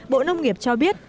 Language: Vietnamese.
bộ nông nghiệp cho biết